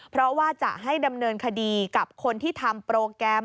เพราะว่าจะให้ดำเนินคดีกับคนที่ทำโปรแกรม